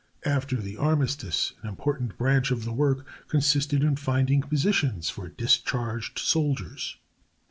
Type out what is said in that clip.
After the armistice an important branch of the work consisted in finding positions for discharged soldiers.